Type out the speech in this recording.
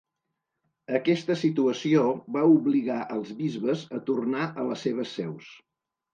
Aquesta situació va obligar els bisbes a tornar a les seves seus.